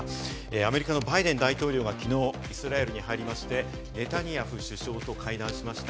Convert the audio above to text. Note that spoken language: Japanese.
アメリカのバイデン大統領がきのうイスラエルに入りまして、ネタニヤフ首相と会談しました。